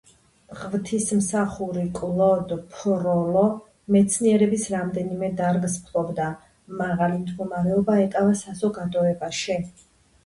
ღვთისმსახური კლოდ ფროლო მეცნიერების რამდენიმე დარგს ფლობდა, მაღალი მდგომარეობა ეკავა საზოგადოებაში.